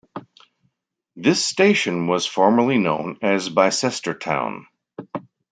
This station was formerly known as Bicester Town.